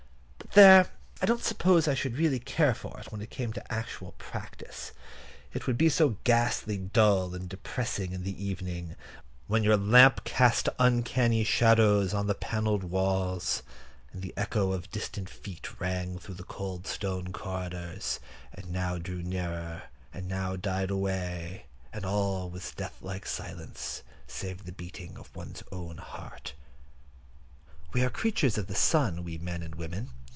But, there, I don't suppose I should really care for it when it came to actual practice. It would be so ghastly dull and depressing in the evening, when your lamp cast uncanny shadows on the panelled walls, and the echo of distant feet rang through the cold stone corridors, and now drew nearer, and now died away, and all was death like silence, save the beating of one's own heart. We are creatures of the sun, we men and women.